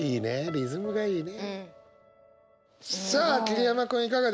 リズムいいね。